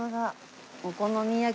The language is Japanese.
「お好み焼」。